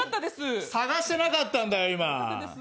探してなかったんだよ、今。